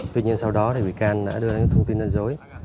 tuy nhiên sau đó thì bị can đã đưa ra những thông tin dân dối